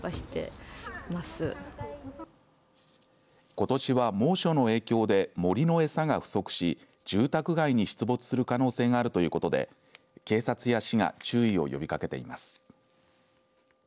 ことしは猛暑の影響で森の餌が不足し住宅街に出没する可能性があるということで警察や市が注意を呼びかけています。